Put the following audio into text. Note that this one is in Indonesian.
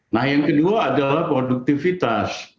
nah yang kedua adalah produktivitas